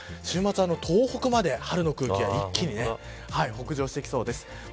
週末、東北まで春の空気が一気に北上してきそうです。